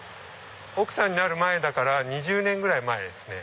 奥さんになる前だから２０年ぐらい前ですね。